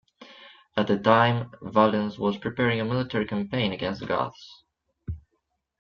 At the time, Valens was preparing a military campaign against the Goths.